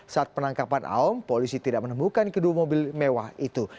saat penangkapan aom polisi tidak menemukan kedua mobil mewah itu